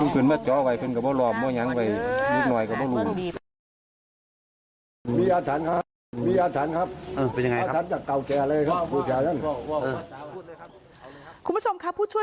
คุณผู้ช่วย